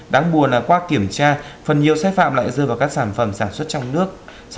đáng buồn là qua kiểm tra phần nhiều sai phạm lại dư vào các sản phẩm sản xuất trong nước